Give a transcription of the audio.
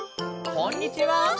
こんにちは！